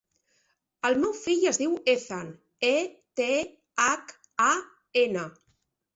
El meu fill es diu Ethan: e, te, hac, a, ena.